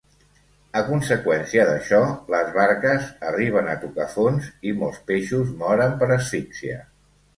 A conseqüència d'això, les barques arriben a tocar fons i molts peixos moren per asfíxia.